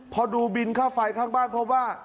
พอดูบินค่าไฟข้างบ้านพบว่า